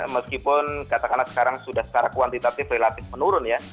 meskipun katakanlah sekarang sudah secara kuantitatif relatif menurun ya